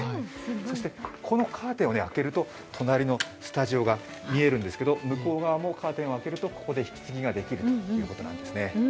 そしてこのカーテンを開けると隣のスタジオが見えるんですけど向こう側もカーテンを開けるとここで引き継ぎができるということなんですね。